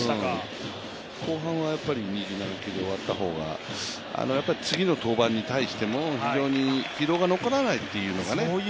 後半は２７球で終わった方が、次の登板に対しても非常に疲労が残らないというのがね。